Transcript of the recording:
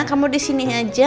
kamu di sini aja